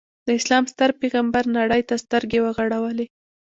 د اسلام ستر پیغمبر نړۍ ته سترګې وغړولې.